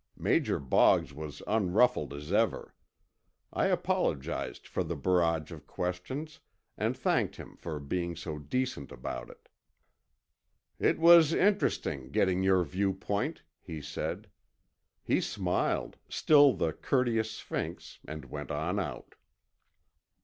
Major Boggs was unruffled as ever. I apologized for the barrage of questions, and thanked him for being so decent about it. "It was interesting, getting your viewpoint," he said. He smiled, still the courteous sphinx, and went on out.